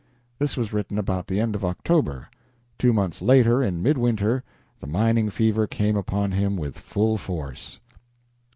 This was written about the end of October. Two months later, in midwinter, the mining fever came upon him with full force.